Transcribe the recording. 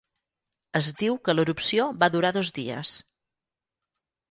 Es diu que l'erupció va durar dos dies.